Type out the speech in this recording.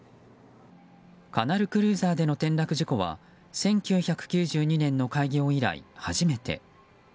カナルクルーザーでの転落事故は１９９２年の開業以来初めて。